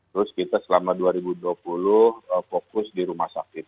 terus kita selama dua ribu dua puluh fokus di rumah sakit